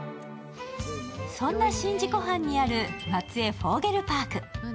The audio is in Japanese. そんな宍道湖畔にある松江フォーゲルパーク。